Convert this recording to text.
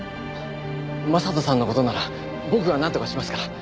将人さんの事なら僕がなんとかしますから。